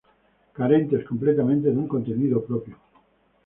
Carentes completamente de un contenido propio.